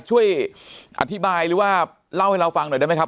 ช่วยอธิบายหรือว่าเล่าให้เราฟังหน่อยได้ไหมครับ